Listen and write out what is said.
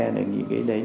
những cái đấy